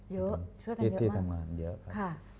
เยอะช่วยกันเยอะมาก